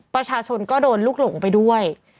ประชาชนก็โดนลูกหลงไปด้วย